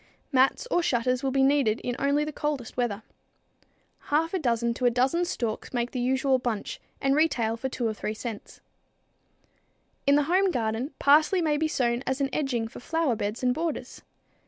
Mats or shutters will be needed in only the coldest weather. Half a dozen to a dozen stalks make the usual bunch and retail for 2 or 3 cents. In the home garden, parsley may be sown as an edging for flower beds and borders.